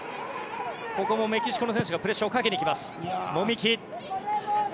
ここもメキシコの選手がプレスをかけてきます。